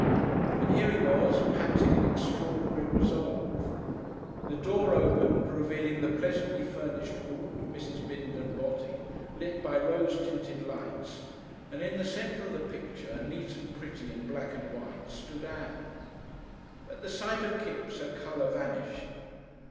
And here he was panting an extraordinary resolve. The door opened, revealing the pleasantly furnished hall of Mrs. Bindon Botting, lit by rose tinted lights, and in the centre of the picture, neat and pretty in black and white, stood Ann. At the sight of Kipps her colour vanished.